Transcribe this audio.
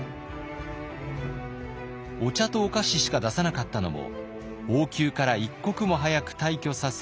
お茶とお菓子しか出さなかったのも王宮から一刻も早く退去させ